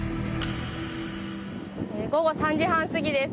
午後３時半過ぎです。